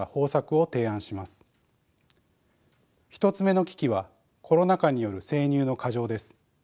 １つ目の危機はコロナ禍による生乳の過剰です。